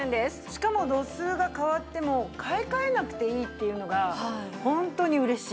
しかも度数が変わっても買い替えなくていいっていうのがホントに嬉しい。